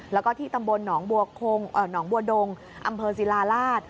แล้วก็ที่ตำบลหนองบัวดงอำเภอศิลาราช